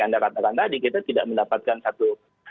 anda katakan tadi kita tidak mendapatkan satu